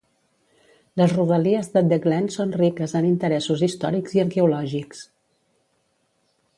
Les rodalies de The Glen son riques en interessos històrics i arqueològics.